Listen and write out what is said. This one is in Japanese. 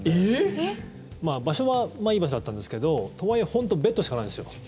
場所はいい場所だったんですけどとはいえ本当にベッドしかないんですよ。